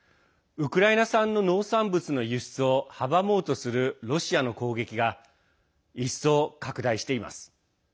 ウクライナ産の農産物の輸出を阻もうとするロシアの攻撃が一層拡大しています。